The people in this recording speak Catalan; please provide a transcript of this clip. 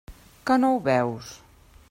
Que no ho veus?